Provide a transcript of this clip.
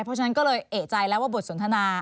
เพราะฉะนั้นก็เลยเอกใจแล้วว่าบทสนทนา